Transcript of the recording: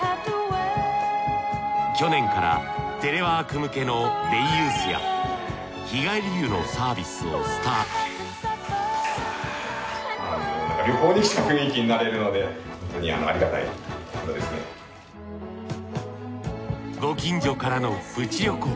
去年からテレワーク向けのデイユースや日帰り湯のサービスをスタートご近所からのプチ旅行。